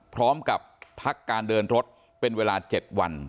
พร้อมกับพักการเดินรถเป็นเวลา๗วัน